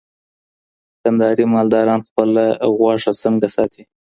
کندهاري مالداران خپله غوښه څنګه ساتي؟